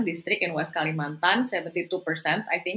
distrik di west kalimantan